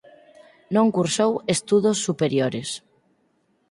Non cursou estudos superiores.